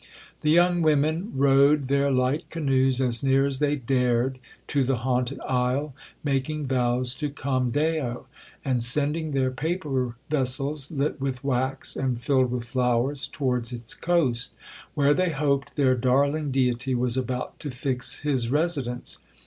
The young women rowed their light canoes as near as they dared to the haunted isle, making vows to Camdeo,1 and sending their paper vessels, lit with wax, and filled with flowers, towards its coast, where they hoped their darling deity was about to fix his residence.